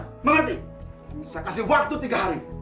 mengerti saya kasih waktu tiga hari